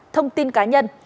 thông tin cá nhân